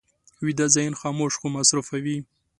ویده ذهن خاموش خو مصروف وي